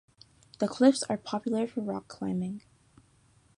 The cliffs are popular for rock climbing.